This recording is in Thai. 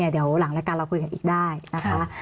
เดี๋ยวหลังรายการเราคุยกันอีกได้นะคะ